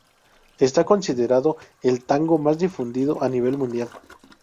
Está considerado el tango más difundido a nivel mundial.